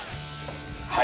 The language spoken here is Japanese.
はい。